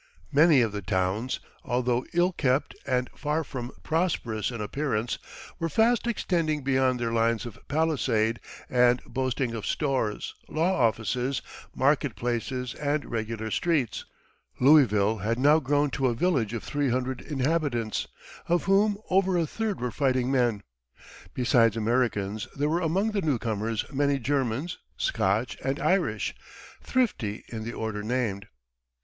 Many of the towns, although ill kept and far from prosperous in appearance, were fast extending beyond their lines of palisade and boasting of stores, law offices, market places, and regular streets; Louisville had now grown to a village of three hundred inhabitants, of whom over a third were fighting men. Besides Americans, there were among the newcomers many Germans, Scotch, and Irish, thrifty in the order named.